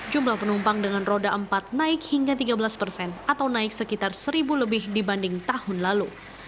jumlah penumpang dengan roda empat naik hingga tiga belas persen atau naik sekitar seribu lebih dibanding tahun lalu